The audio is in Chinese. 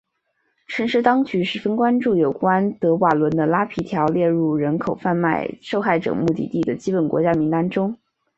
城市当局十分关注有关德瓦伦的拉皮条列入人口贩卖受害者目的地的基本国家名单中。